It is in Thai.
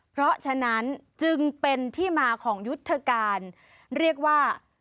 เพราะฉะนั้นจึงเป็นที่มาของยุทธการเรียกว่า